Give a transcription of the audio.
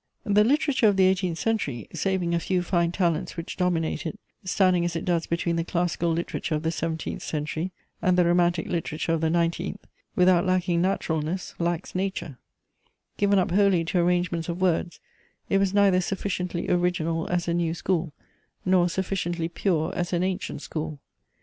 ] The literature of the eighteenth century, saving a few fine talents which dominate it, standing as it does between the classical literature of the seventeenth century and the romantic literature of the nineteenth, without lacking naturalness lacks nature; given up wholly to arrangements of words, it was neither sufficiently original as a new school, nor sufficiently pure as an ancient school.